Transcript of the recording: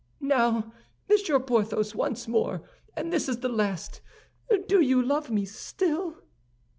"Now, Monsieur Porthos, once more, and this is the last! Do you love me still?"